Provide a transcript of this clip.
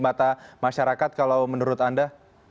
mata masyarakat kalau menurut anda